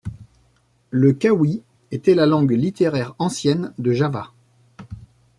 Le kawi était la langue littéraire ancienne de Java.